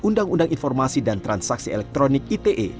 undang undang informasi dan transaksi elektronik ite